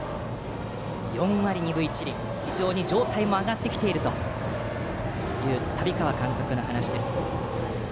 ４割２分１厘と非常に状態も上がってきているという旅川監督の話です。